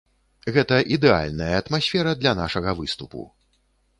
Гэта ідэальная атмасфера для нашага выступу.